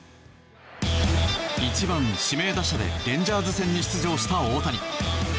１番指名打者でレンジャーズ戦に出場した大谷。